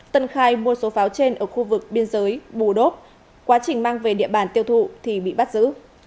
tân khai mua số pháo trên ở khu vực biên giới bù đốp quá trình mang về địa bàn tiêu thụ thì bị bắt giữ